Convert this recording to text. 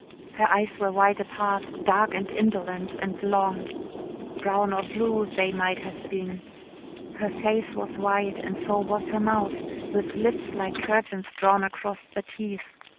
Her eyes were wide apart, dark and indolent and long brown or blue they might have been. Her face was wide and so was her mouth with lips like curtains drawn across the teeth.